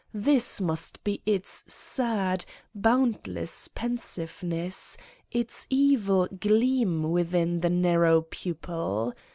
This must be its sad, boundless pensiveness, it$ evil gleam within the narrow pupil